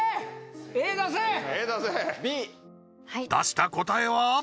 出した答えは？